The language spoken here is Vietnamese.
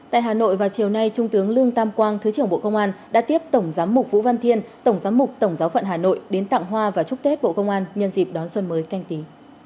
tại hà nội vào chiều nay trung tướng lương tam quang thứ trưởng bộ công an đã tiếp tổng giám mục vũ văn thiên tổng giám mục tổng giáo phận hà nội đến tặng hoa và chúc tết bộ công an nhân dịp đón xuân mới canh tí